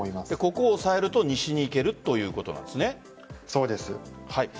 ここを抑えると西に行けるということなんですね。